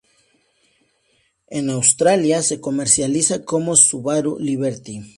En Australia se comercializa como Subaru Liberty.